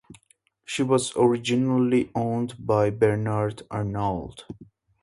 She was originally owned by Bernard Arnault.